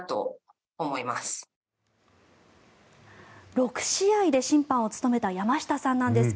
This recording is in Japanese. ６試合で審判を務めた山下さんなんですが